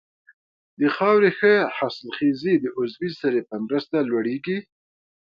د خاورې ښه حاصلخېزي د عضوي سرې په مرسته لوړیږي.